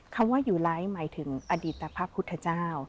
คำว่ายูไลท์หมายถึงอดีตพระพุทธเจ้า